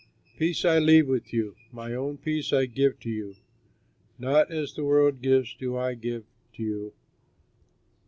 "Peace I leave with you, my own peace I give to you; not as the world gives do I give to you.